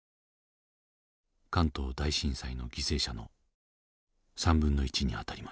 関東大震災の犠牲者の1/3にあたります。